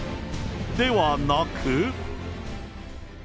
ではなく。